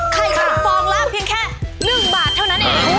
ใช่ค่ะฟองล่างเพียงแค่๑บาทเท่านั้นเอง